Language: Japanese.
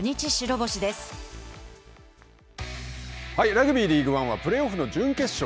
ラグビーリーグワンはプレーオフの準決勝。